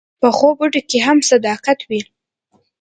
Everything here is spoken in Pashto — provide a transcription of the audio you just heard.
پخو پټو کې هم صداقت وي